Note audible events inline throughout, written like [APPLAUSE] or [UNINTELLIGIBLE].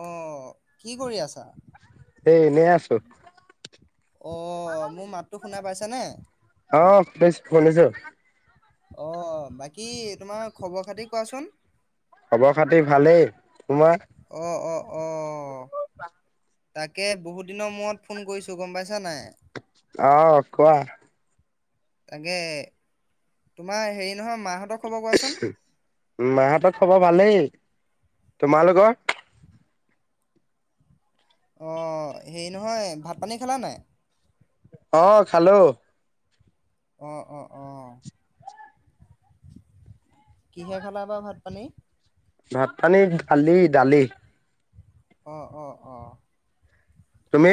অ' কি কৰি আছ। অ', এ এনেই আছো মোৰ মাতটো শুনা পাইছেনে? অ [UNINTELLIGIBLE] অ' বাকী তোমাৰ খবৰ খাতি কোৱাচোন? খবৰ খাতি ভালেই তোমাৰ অ', অ তাকে বহুত দিনৰ মূৰত ফোন কৰিছো গম পাইছা নাই [INAUDIBLE] আহ কোৱা তাকে তোমাৰ হেৰি নহয় মাহঁতৰ খবৰ কোৱাচোন? মাহঁতক খবৰ ভালেই তোমালোকৰ অঁ হেৰি নহয় ভাত পানী খালা নে নাই অ খালো অঁ অঁ অঁ কিহে খালা বা ভাত আপোনি [UNINTELLIGIBLE] ভাত পানী আলি দালি [UNINTELLIGIBLE] অঁ অঁ অঁ তুমি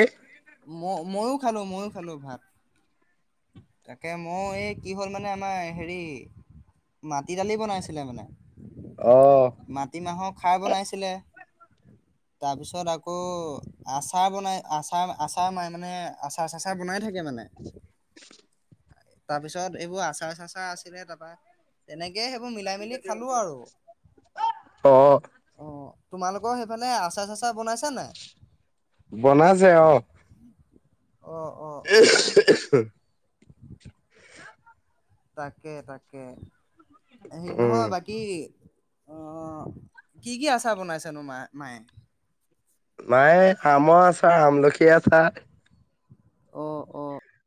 ম মইও খালো ময়ো খালো ভাত তাকে মই এই কি হ'ল মানে আমাৰ হেৰি মাটি দালি বনাইছিলে মানে অ মাটিমাহৰ খাই বনাইছিলে [UNINTELLIGIBLE] তাৰপিছত আকৌ আচাৰ বনাই আচাৰ আচাৰ ম মানে আচাৰ চাচাৰ বনাই থাকে মানে তাৰপিছত এইবোৰ আচাৰ চাচাৰ আছিলে তাৰপা তেনেকে সেইবোৰ মিলাই মেলি খালো আৰু। অ অ' তোমালোকৰ সেইফালে আচাৰ চাচাৰ বনাইছে নাই বনাইছে অ অ' অ' আহ অ' [INAUDIBLE] তাকে তাকে হে উম নহয় বাকী আহ কি কি আচাৰ বনাইছেনো মায় মায়ে মায় আমৰ আচাৰ আমলখি আচাৰ অ অ